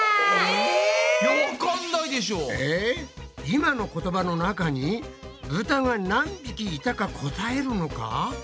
今の言葉の中にブタが何匹いたか答えるのか？